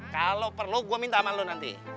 kalau perlu gue minta sama lo nanti